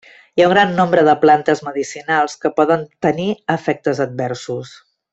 Hi ha un gran nombre de plantes medicinals que poden tenir efectes adversos.